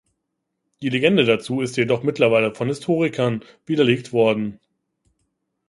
Die Legende dazu ist jedoch mittlerweile von Historikern widerlegt worden.